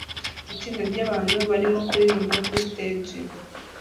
Itsinda ryabantu barimo kuririmbira kuri stage